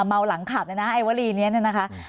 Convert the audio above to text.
เมาหลังขับนะไอ้วลีเนี่ยนะคะ